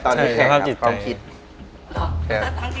ถ้าจริงเราโตมากับการเล่นเนี่ยนะ